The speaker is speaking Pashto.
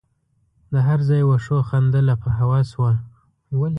د هر ځای وښو خندله په هوس وه